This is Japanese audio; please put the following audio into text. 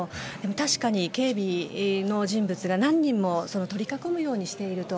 確かに警備の人物が何人も取り囲むようにしていると。